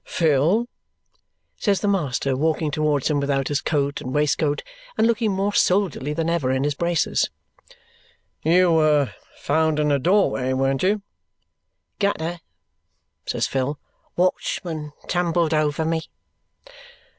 "Phil!" says the master, walking towards him without his coat and waistcoat, and looking more soldierly than ever in his braces. "You were found in a doorway, weren't you?" "Gutter," says Phil. "Watchman tumbled over me."